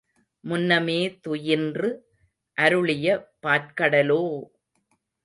முன்னமே துயின்று அருளிய பாற்கடலோ!